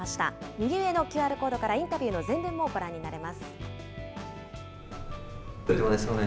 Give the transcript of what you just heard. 右上のＱＲコードからインタビューの全文もご覧になれます。